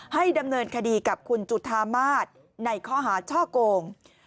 ให้ดำเนินคดีกับคุณจุธามาศในข้อหาช่อโกง